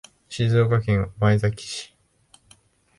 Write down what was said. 静岡県御前崎市